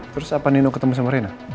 terus apa neno ketemu sama rena